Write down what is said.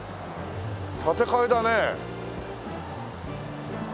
建て替えだね。